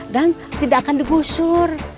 dan tidak akan digosur